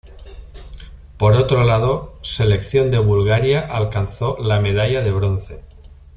Por otro lado, selección de Bulgaria alcanzó la medalla de bronce.